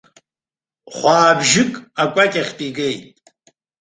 Хәаабжьык акәакьахьтә игеит.